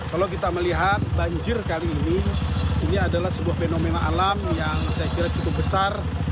kalau kita melihat banjir kali ini ini adalah sebuah fenomena alam yang saya kira cukup besar